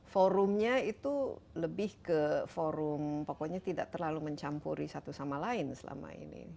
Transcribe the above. forumnya itu lebih ke forum pokoknya tidak terlalu mencampuri satu sama lain selama ini